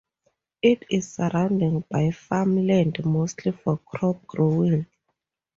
It is surrounding by farmland, mostly for crop growing.